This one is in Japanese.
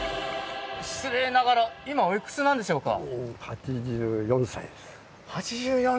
失礼ながら今、おいくつなんでしょうか？